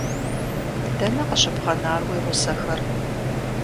Дэнэ къыщыбгъэнар уи гъусэхэр?